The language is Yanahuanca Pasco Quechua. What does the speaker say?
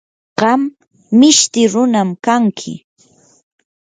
qam mishti runam kanki.